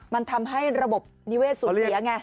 มันทำให้ระบบนิเวศสูญเสียไง